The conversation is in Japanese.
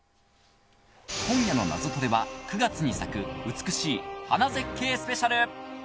今夜の「ナゾトレ」は９月に咲く美しい花絶景スペシャル。